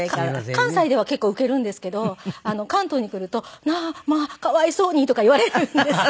関西では結構ウケるんですけど関東に来ると「まあかわいそうに」とか言われるんですね。